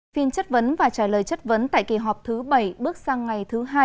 phiên chất vấn và trả lời chất vấn tại kỳ họp thứ bảy bước sang ngày thứ hai